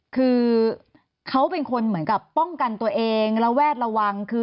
คือเขาเป็นคนเหมือนกับป้องกันตัวเองระแวดระวังคือ